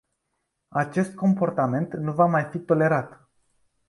Acest comportament nu va mai fi tolerat.